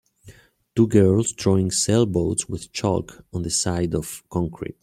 Two girls drawing sailboats with chalk on the side of concrete.